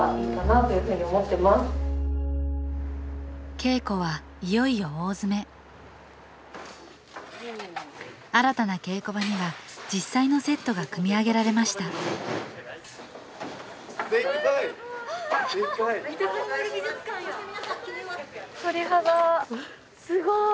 稽古はいよいよ大詰め新たな稽古場には実際のセットが組み上げられましたうわすごい。